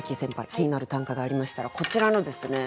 気になる短歌がありましたらこちらのですね